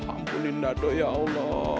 ampunin dado ya allah